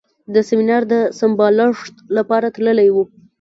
د سیمینار د سمبالښت لپاره تللی و.